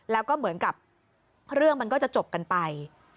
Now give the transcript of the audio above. แล้วก็เหมือนกับเรื่องมันก็จะจบกันไป